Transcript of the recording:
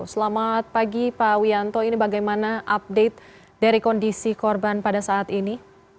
selamat pagi pak wianto ini bagaimana update dari kondisi korban pada saat ini